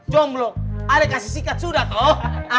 jomblo ada kasih sikat sudah toh